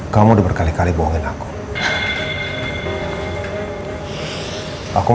kamu udah berkali kali bohongin aku